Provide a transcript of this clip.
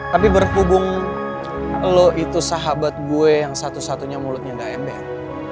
tapi berhubung lo itu sahabat gue yang satu satunya mulutnya enggak ember